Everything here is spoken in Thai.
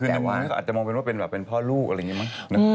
คืนนั้นก็อาจจะมองเป็นว่าเป็นพ่อลูกอะไรอย่างนี้มั้ง